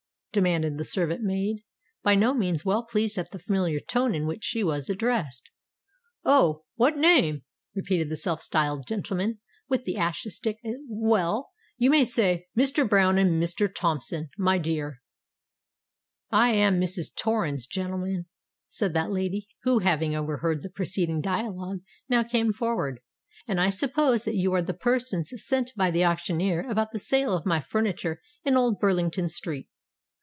demanded the servant maid, by no means well pleased at the familiar tone in which she was addressed. "Oh! what name?" repeated the self styled gentleman with the ash stick: "well—you may say Mr. Brown and Mr. Thompson, my dear." "I am Mrs. Torrens, gentlemen," said that lady, who having overheard the preceding dialogue, now came forward; "and I suppose that you are the persons sent by the auctioneer about the sale of my furniture in Old Burlington Street."